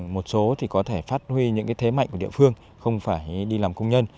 một số thì có thể phát huy những thế mạnh của địa phương không phải đi làm công nhân